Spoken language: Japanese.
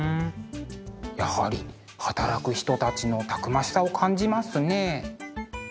やはり働く人たちのたくましさを感じますね。